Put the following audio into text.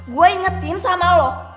gua ingetin sama lu